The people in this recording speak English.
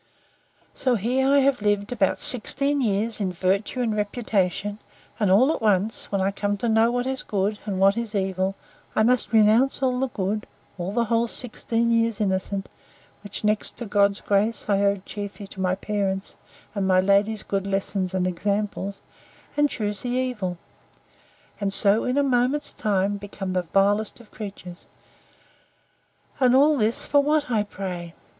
So here I have lived about sixteen years in virtue and reputation; and all at once, when I come to know what is good, and what is evil, I must renounce all the good, all the whole sixteen years' innocence, which, next to God's grace, I owed chiefly to my parents, and my lady's good lessons and examples, and choose the evil; and so, in a moment's time, become the vilest of creatures! And all this, for what, I pray?